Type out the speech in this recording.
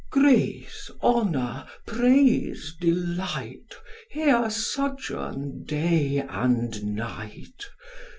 Grace, honour, praise, delight, Here sojourn day and night.